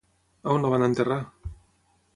On la van enterrar?